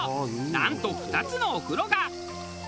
なんと２つのお風呂が。